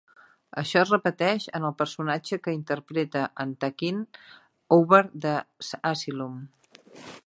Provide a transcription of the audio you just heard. Això es repeteix en el personatge que interpreta en "Takin' Over the Asylum".